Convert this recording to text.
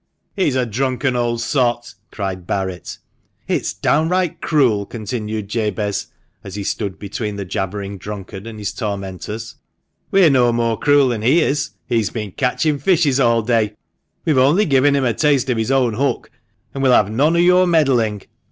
" He's a drunken old sot !" cried Barret. "It's downright cruel!" continued Jabez, as he stood between the jabbering drunkard and his tormentors. " We're no more cruel than he is ! He's been catching fishes all day. We've only given him a taste of his own hook ; and we'll have none of your meddling